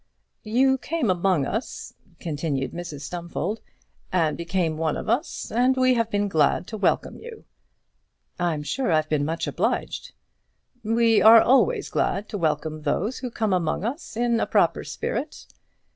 "You came among us," continued Mrs Stumfold, "and became one of us, and we have been glad to welcome you." "I'm sure I've been much obliged." "We are always glad to welcome those who come among us in a proper spirit.